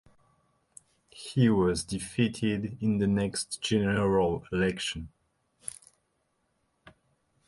He was defeated in the next general election.